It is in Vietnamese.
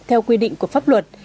theo quy định của pháp luật